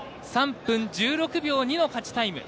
３分１６秒２のタイム。